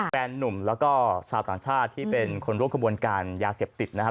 นุ่มแล้วก็ชาวต่างชาติที่เป็นคนร่วมขบวนการยาเสพติดนะครับ